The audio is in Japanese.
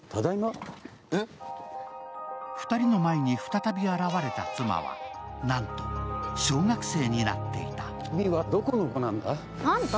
２人の前に再び現れた妻はなんと小学生になっていた。